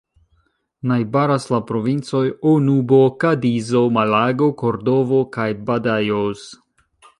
Najbaras la provincoj Onubo, Kadizo, Malago, Kordovo kaj Badajoz.